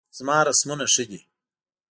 زما رسمونه ښه دي